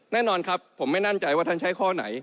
แน่นอนครับผมไม่มั่นใจว่าท่านใช้ข้อไหน